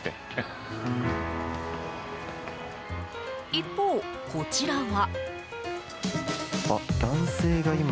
一方、こちらは。